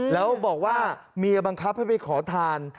แล้วบอกว่าเมียบังคับให้ไปขอทาน